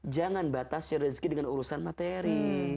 jangan batasnya rezeki dengan urusan materi